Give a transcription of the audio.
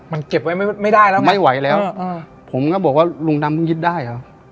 มันเก็บไว้ไม่ได้แล้วไม่ไหวแล้วอ่าผมก็บอกว่าลุงดำเพิ่งยึดได้เหรอ